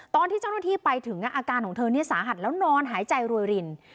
ตอนที่เจ้าหน้าที่ไปถึงอาการของเธอสาหัสแล้วนอนหายใจรวยริน